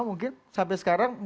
mungkin sampai sekarang